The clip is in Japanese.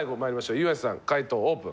岩井さん解答オープン。